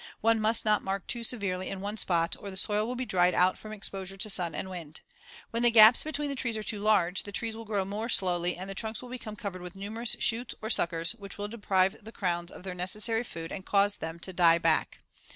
One must not mark too severely in one spot or the soil will be dried out from exposure to sun and wind. When the gaps between the trees are too large, the trees will grow more slowly and the trunks will become covered with numerous shoots or suckers which deprive the crowns of their necessary food and cause them to "die back."